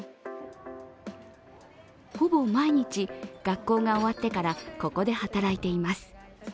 ほぼ毎日、学校が終わってからここで働いています。